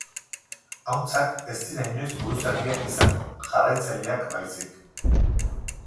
Ahuntzak ez dira inoiz buruzagiak izango, jarraitzaileak baizik.